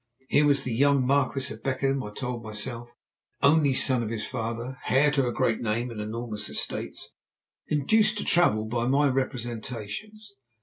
Here was the young Marquis of Beckenham, I told myself, only son of his father, heir to a great name and enormous estates, induced to travel by my representations.